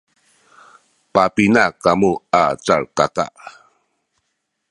papina kamu a calkakaan?